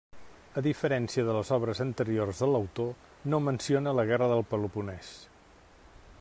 A diferència de les obres anteriors de l'autor, no menciona la Guerra del Peloponès.